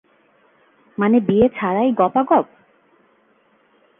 মানে বিয়ে ছাড়াই গপাগপ?